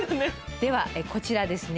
ではこちらですね